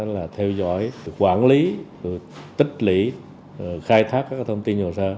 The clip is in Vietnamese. là theo dõi quản lý tích lĩ khai thác các thông tin hồ sơ